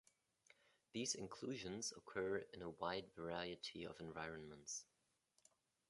These inclusions occur in a wide variety of environments.